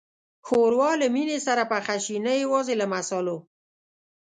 ښوروا له مینې سره پخه شي، نه یوازې له مصالحو.